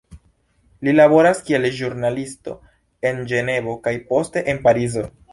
Li laboras kiel ĵurnalisto en Ĝenevo kaj poste en Parizo.